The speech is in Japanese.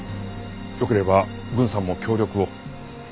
よければ郡さんも協力を。